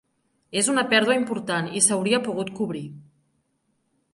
És una pèrdua important, i s’hauria pogut cobrir.